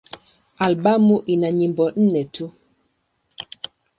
Albamu ina nyimbo nne tu.